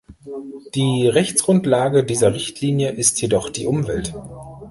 Die Rechtsgrundlage dieser Richtlinie ist jedoch die Umwelt.